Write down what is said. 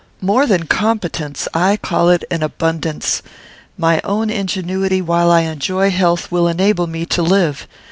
"More than competence. I call it an abundance. My own ingenuity, while I enjoy health, will enable me to live.